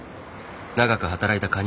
長く働いたカニ